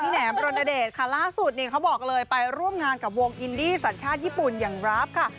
แหนมรณเดชค่ะล่าสุดเนี่ยเขาบอกเลยไปร่วมงานกับวงอินดี้สัญชาติญี่ปุ่นอย่างราฟค่ะ